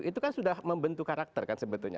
itu kan sudah membentuk karakter kan sebetulnya